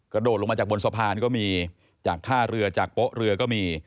โดดลงมาจากบนสะพานก็มีจากท่าเรือจากโป๊ะเรือก็มี